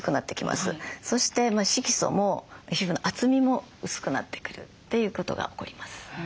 そして色素も皮膚の厚みも薄くなってくるということが起こります。